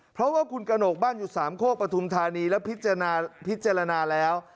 เพราะว่าคุณกระหนกบ้านอยู่สามโคกปฐุมธานีและพิจารณาแล้ว